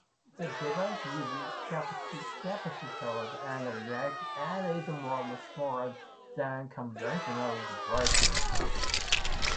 The device uses capacitors and a clock and is much smaller than conventional devices.